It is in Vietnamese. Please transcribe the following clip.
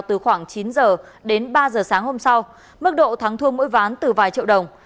từ khoảng chín giờ đến ba giờ sáng hôm sau mức độ thắng thua mỗi ván từ vài triệu đồng